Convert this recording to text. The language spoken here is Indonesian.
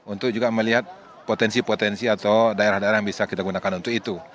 untuk juga melihat potensi potensi atau daerah daerah yang bisa kita gunakan untuk itu